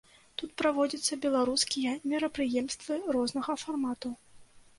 Тут праводзяцца беларускія мерапрыемствы рознага фармату.